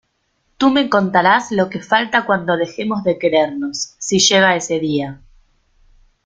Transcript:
tú me contarás lo que falta cuando dejemos de querernos, si llega ese día.